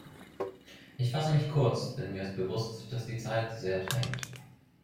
Ich fasse mich kurz, denn mir ist bewusst, dass die Zeit sehr drängt.